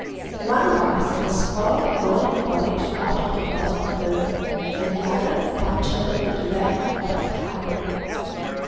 One of us must pour boiling porridge out of the pot on her, and the other punch her with red hot iron.